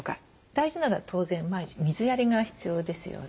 大事なのは当然毎日水やりが必要ですよね。